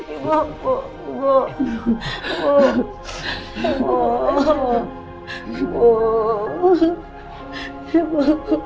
ibu ibu ibu ibu ibu